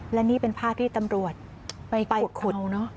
และนี่เป็นภาพที่ตำรวจไปขุด